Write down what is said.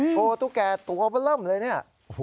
โชว์ทุกแก่ตัวบำร่ำเลยนี่